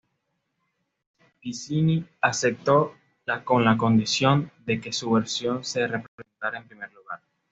Piccinni aceptó con la condición de que su versión se representara en primer lugar.